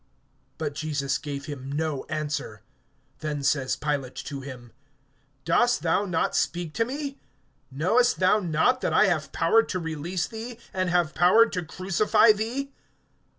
But Jesus gave him no answer. (10)Then says Pilate to him: Dost thou not speak to me? Knowest thou not that I have power to release thee, and have power to crucify thee?